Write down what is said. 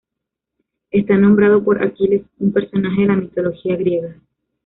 Está nombrado por Aquiles, un personaje de la mitología griega.